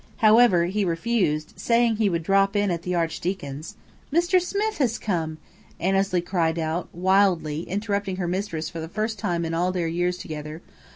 However, he refused, saying he would drop in at the Archdeacon's " "Mr. Smith has come!" Annesley cried out, wildly, interrupting her mistress for the first time in all their years together.